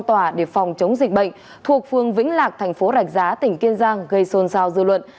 các đối tượng đã bị phong tỏa để phòng chống dịch bệnh thuộc phường vĩnh lạc thành phố rạch giá tỉnh kiên giang gây xôn xao dư luận